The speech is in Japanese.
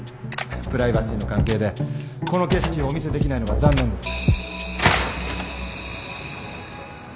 プライバシーの関係でこの景色をお見せできないのが残念です。